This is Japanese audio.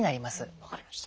分かりました。